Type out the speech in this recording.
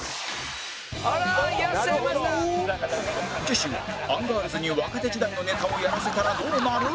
次週はアンガールズに若手時代のネタをやらせたらどうなる？